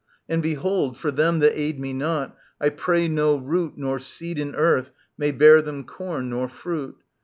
And, behold. For them that aid me not, I pray no root Nor seed in earth may bear them corn nor fruit.